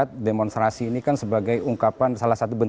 pertanyaan yang harus